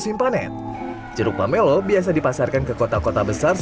selain rutin membasmi hama buah jeruk juga dibunuh